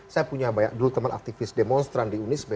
saya punya banyak dulu teman aktivis demonstran di unisme